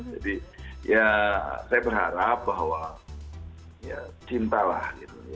jadi ya saya berharap bahwa cinta lah gitu